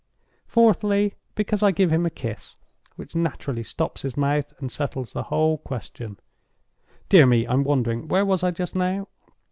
fourthly, because I give him a kiss, which naturally stops his mouth and settles the whole question. Dear me, I'm wandering. Where was I just now?